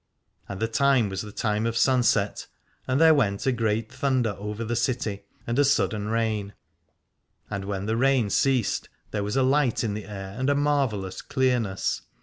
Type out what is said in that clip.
And the time was the time of sunset, and there went a great thunder over the city, and a sudden rain ; and when the rain ceased there was a light in the air and a marvellous clearness.